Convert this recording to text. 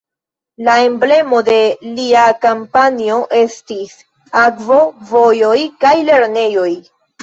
La emblemo de lia kampanjo estis: "akvo, vojoj kaj lernejoj".